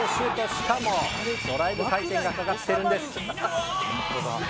しかもドライブ回転がかかっているんです。